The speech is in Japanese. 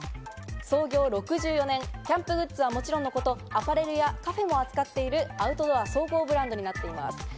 創業６４年、キャンプグッズはもちろんのこと、アパレルやカフェも扱っているアウトドア総合ブランドになっています。